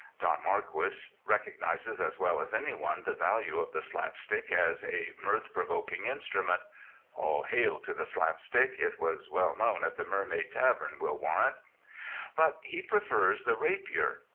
Don Marquis recognizes as well as any one the value of the slapstick as a mirth provoking instrument. (All hail to the slapstick! it was well known at the Mermaid Tavern, we'll warrant.) But he prefers the rapier.